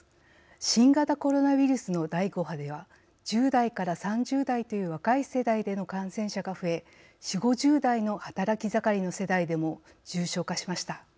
新型コロナウイルスの第５波では１０代から３０代という若い世代での感染者が増え４０５０代の働き盛りの世代でも重症化しました。